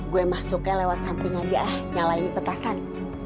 gue masuknya lewat samping aja nyala ini petasan